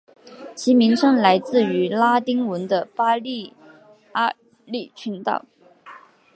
其名称来自于拉丁文的巴利阿里群岛。